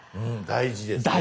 大事です！